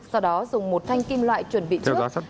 sau đó dùng một thanh kim loại chuẩn bị trước